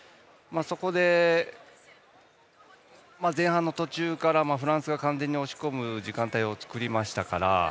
そこで前半の途中からフランスが完全に押し込む時間帯を作りましたから。